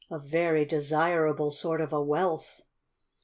A very desirable sort of a wealth.